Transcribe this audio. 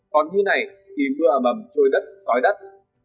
còn như này thì mưa ở mầm trôi đất sói đất